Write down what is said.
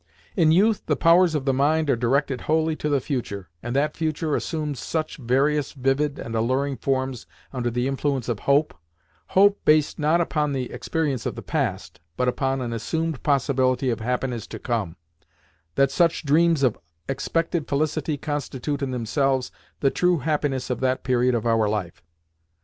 In youth the powers of the mind are directed wholly to the future, and that future assumes such various, vivid, and alluring forms under the influence of hope—hope based, not upon the experience of the past, but upon an assumed possibility of happiness to come—that such dreams of expected felicity constitute in themselves the true happiness of that period of our life.